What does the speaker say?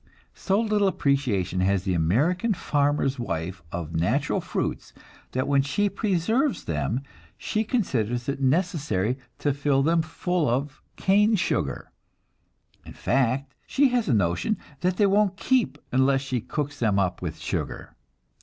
So little appreciation has the American farmer's wife of natural fruits, that when she preserves them, she considers it necessary to fill them full of cane sugar; in fact, she has a notion that they won't keep unless she cooks them up with sugar!